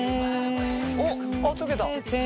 おっ溶けた。